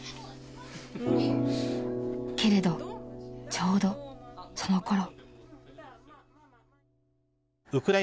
［けれどちょうどそのころ］